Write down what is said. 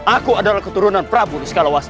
aku adalah keturunan prabu di skala wasto